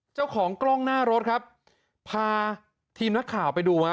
เจ้าของกล้องหน้ารถครับพาทีมนักข่าวไปดูฮะ